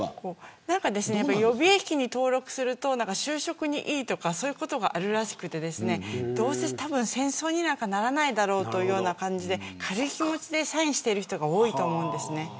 予備役に登録すると就職にいいとかそういうことがあるらしくてどうせ戦争にならないだろうという感じで軽い気持ちでサインしている人が多いと思うんです。